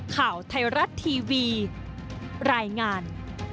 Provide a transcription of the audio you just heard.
ข่าวไทยรัฐทีวีรายงาน